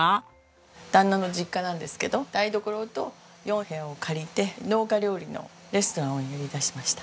旦那の実家なんですけど台所と４部屋を借りて農家料理のレストランをやりだしました。